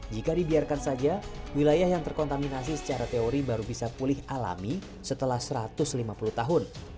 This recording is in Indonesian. jika dibiarkan saja wilayah yang terkontaminasi secara teori baru bisa pulih alami setelah satu ratus lima puluh tahun